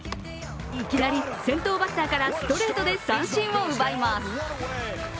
いきなり先頭バッターからストレートと三振を奪います。